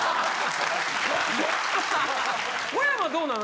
小山どうなの？